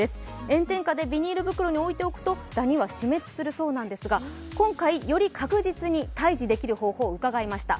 炎天下でビニール袋に置いておくとダニは死滅するそうにんですが今回、より確実に退治できる方法を伺いました。